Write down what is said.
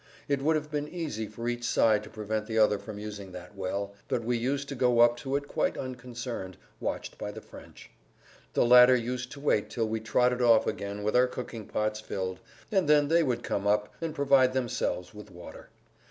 It would have been easy for each side to prevent the other from using that well, but we used to go up to it quite unconcerned, watched by the French. The latter used to wait till we trotted off again with our cooking pots filled, and then they would come up and provide themselves with water.